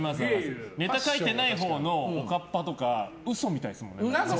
ネタ書いてないほうのおかっぱとか嘘みたいですもんね。